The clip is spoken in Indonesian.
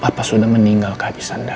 papa sudah meninggal kehabisan darah